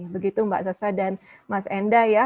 begitu mbak sasa dan mas enda ya